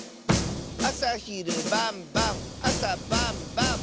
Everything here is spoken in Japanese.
「あさひるばんばんあさばんばん！」